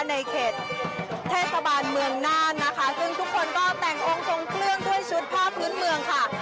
ในเขตเทศบาลเมืองน่านนะคะซึ่งทุกคนก็แต่งองค์ทรงเครื่องด้วยชุดผ้าพื้นเมืองค่ะ